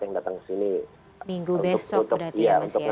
yang datang ke sini minggu besok